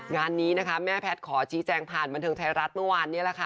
งานนี้นะคะแม่แพทย์ขอชี้แจงผ่านบันเทิงไทยรัฐเมื่อวานนี้แหละค่ะ